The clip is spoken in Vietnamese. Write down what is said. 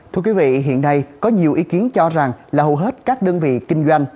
thưa quý vị hiện nay có nhiều ý kiến cho rằng là hầu hết các đơn vị kinh doanh